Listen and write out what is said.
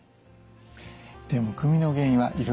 むくみの原因はいろいろあります。